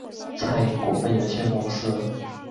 餐饮股份有限公司